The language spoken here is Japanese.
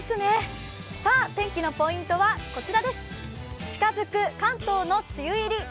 天気のポイントはこちらです、近づく関東の梅雨入り。